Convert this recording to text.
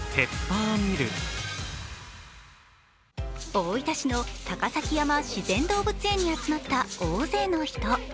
大分市の高崎山自然動物園に集まった、大勢の人。